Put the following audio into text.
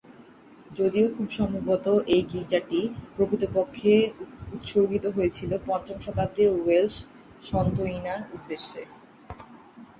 যদিও খুব সম্ভবত এই গির্জাটি প্রকৃতপক্ষে উৎসর্গিত হয়েছিল পঞ্চম শতাব্দীর ওয়েলশ সন্ত ইনার উদ্দেশ্যে।